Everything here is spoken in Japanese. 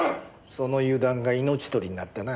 その油断が命取りになったな。